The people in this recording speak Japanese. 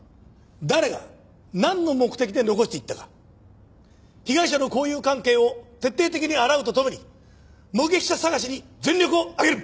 誰がなんの目的で残していったか被害者の交友関係を徹底的に洗うとともに目撃者捜しに全力を挙げる！